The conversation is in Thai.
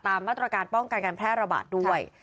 มาตรการป้องกันการแพร่ระบาดด้วย